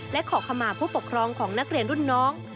และขอขมาผู้ปกครองของนักเรียนรุ่นน้อง